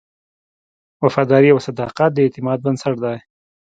وفاداري او صداقت د اعتماد بنسټ دی.